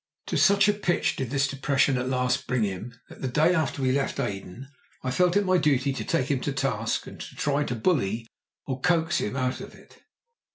To such a pitch did this depression at last bring him that, the day after we left Aden, I felt it my duty to take him to task and to try to bully or coax him out of it.